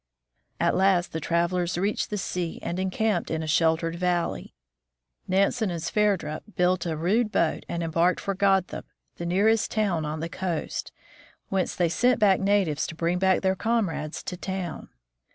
At last the travelers reached the sea and encamped in a sheltered valley. Nansen and Sverdrup built a rude boat and embarked for Godthaab, the nearest town on the coast, whence they sent back natives to bring their comrades to town.